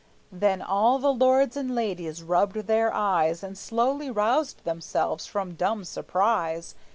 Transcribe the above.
Then all the lords and ladies rubbed their eyes And slowly roused themselves from dumb surprise.